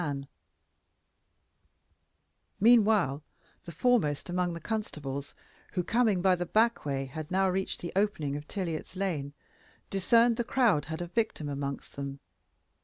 Meanwhile, the foremost among the constables, who, coming by the back way, had now reached the opening of Tiliot's lane, discerned that the crowd had a victim amongst them.